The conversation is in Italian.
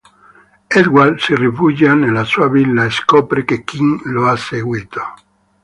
Edward si rifugia nella sua villa e scopre che Kim lo ha seguito.